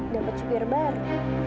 dapat supir baru